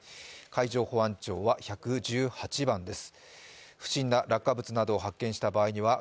海上保安庁は１１８番です。